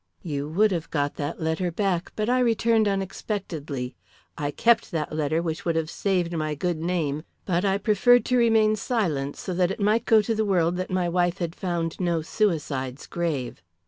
You would have got that letter back, but I returned unexpectedly. I kept that letter which would have saved my good name, but I preferred to remain silent so that it might go to the world that my wife had found no suicide's grave.